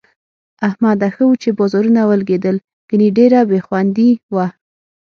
احمده! ښه وو چې بازارونه ولږېدل، گني ډېره بې خوندي وه.